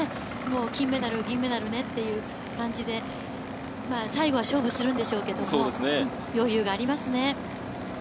金メダル、銀メダルねって感じで最後は勝負するんでしょうけど、余裕がありますね。